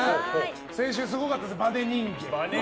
先週すごかったですね、バネ人間。